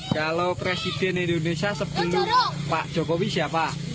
kalau presiden indonesia sebelum pak jokowi siapa